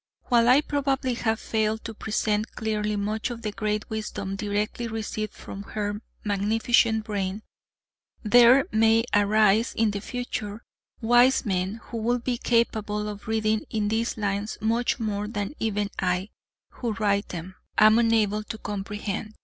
While I probably have failed to present clearly much of the great wisdom directly received from her magnificent brain, there may arise in the future, wise men, who will be capable of reading in these lines much more than even I, who write them, am able to comprehend.